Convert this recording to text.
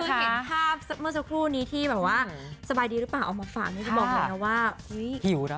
คือเห็นภาพเมื่อสักครู่นี้ที่แบบว่าสบายดีหรือเปล่าเอามาฝากก็จะบอกแบบนี้ว่า